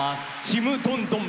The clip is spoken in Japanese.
「ちむどんどん」